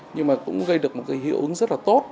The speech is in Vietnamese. nhưng mà cũng gây được một cái hiệu ứng rất là tốt